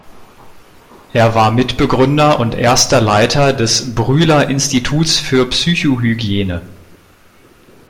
Er war Mitbegründer und erster Leiter des Brühler Instituts für Psychohygiene.